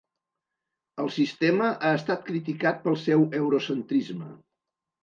El sistema ha estat criticat pel seu eurocentrisme.